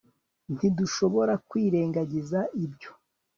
ntidushobora kwirengagiza ibyo